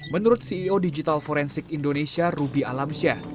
menurut ceo digital forensik indonesia ruby alamsyah